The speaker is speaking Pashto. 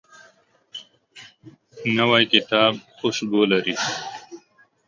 نوی کتاب خوشبو لري